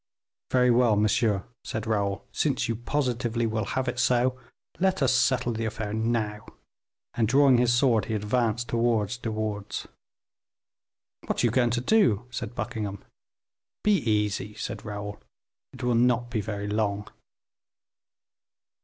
"Very well, monsieur," said Raoul, "since you positively will have it so, let us settle the affair now." And, drawing his sword, he advanced towards De Wardes. "What are you going to do?" said Buckingham. "Be easy," said Raoul, "it will not be very long."